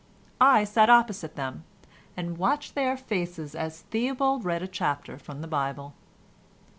I sat opposite them, and watched their faces as Theobald read a chapter from the Bible.